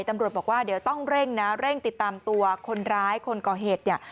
ตำรวจบอกว่าเดี๋ยวต้องเร่งนะเร่งติดตามตัวคนร้ายคนก่อเหตุเนี่ย